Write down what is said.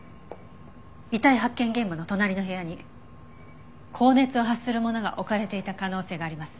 遺体発見現場の隣の部屋に高熱を発するものが置かれていた可能性があります。